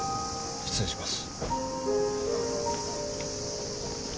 失礼します。